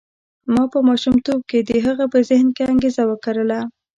ما په ماشومتوب کې د هغه په ذهن کې انګېزه وکرله.